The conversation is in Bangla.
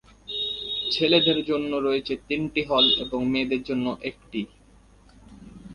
ছেলেদের জন্য রয়েছে তিনটি হল এবং মেয়েদের জন্য একটি।